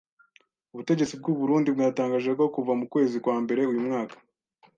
Ubutegetsi bw'u Burundi bwatangaje ko kuva mu kwezi kwa mbere uyu mwaka